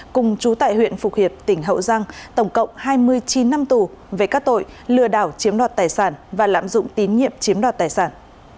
cùng chú tại huyện phục hiệp tỉnh hậu giang tổng cộng hai mươi chín năm tù về các tội lừa đảo chiếm đoạt tài sản và lạm dụng tín nhiệm chiếm đoạt tài sản